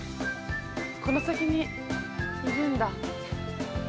この先にいるんだ。